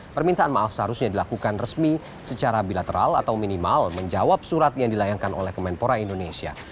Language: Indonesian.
permintaan maaf seharusnya dilakukan resmi secara bilateral atau minimal menjawab surat yang dilayangkan oleh kemenpora indonesia